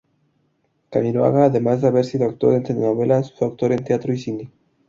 Camiroaga además de haber sido actor en telenovelas, fue actor en teatro y cine.